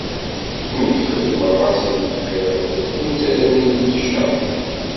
Nekk xeddmeɣ-asen lxir, nutni ttarran-iyi-t-id d ccer.